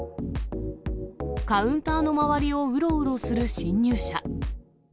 カウンターの周りをうろうろする侵入者。